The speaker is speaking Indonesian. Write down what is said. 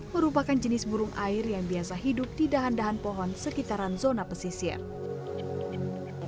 merupakan jenis burung air yang biasa hidup di dahan dahan pohon sekitaran zona pesisir